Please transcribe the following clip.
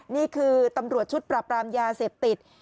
นี่คือตำรวจชุดปรับรามยาเสพติด